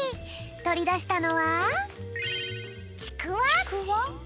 とりだしたのはちくわ？